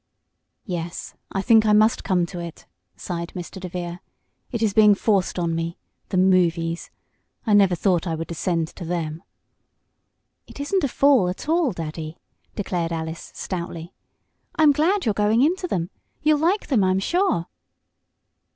"Yes, I think I must come to it," sighed Mr. DeVere. "It is being forced on me the movies. I never thought I would descend to them!" "It isn't a fall at all, Daddy!" declared Alice, stoutly. "I'm glad you are going into them. You'll like them, I'm sure."